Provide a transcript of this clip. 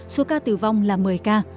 số ca tử vong là một mươi ca